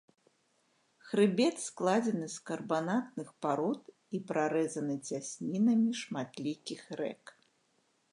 Хрыбет складзены з карбанатных парод і прарэзаны цяснінамі шматлікіх рэк.